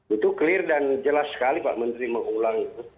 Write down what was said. itu clear dan jelas sekali pak menteri mengulang itu